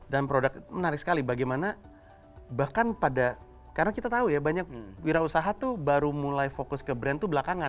dan produk menarik sekali bagaimana bahkan pada karena kita tahu ya banyak wira usaha tuh baru mulai fokus ke brand tuh belakangan